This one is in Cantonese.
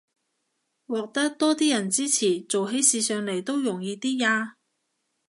獲得多啲人支持，做起事上來都容易啲吖